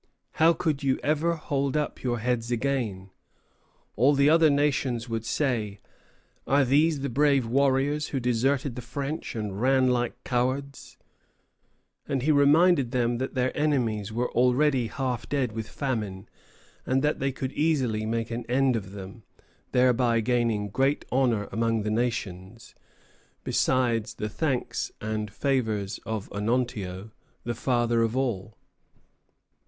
How could you ever hold up your heads again? All the other nations would say: 'Are these the brave warriors who deserted the French and ran like cowards?'" And he reminded them that their enemies were already half dead with famine, and that they could easily make an end of them, thereby gaining great honor among the nations, besides the thanks and favors of Onontio, the father of all.